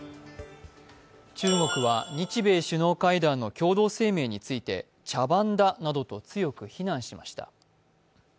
中国は日米首脳会談の共同声明について茶番だなどと強く非難しました。